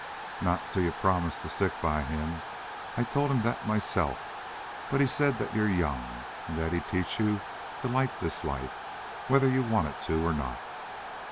"Not till you'd promised to stick by him. I told him that myself, but he said that you're young and that he'd teach you to like this life whether you wanted to or not.